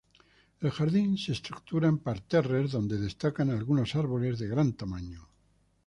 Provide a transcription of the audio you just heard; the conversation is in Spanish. El jardín se estructura en parterres, donde destacan algunos árboles de gran tamaño.